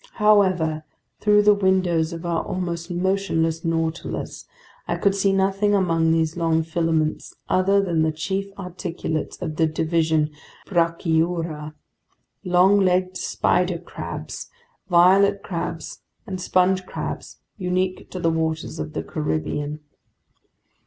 However, through the windows of our almost motionless Nautilus, I could see nothing among these long filaments other than the chief articulates of the division Brachyura: long legged spider crabs, violet crabs, and sponge crabs unique to the waters of the Caribbean.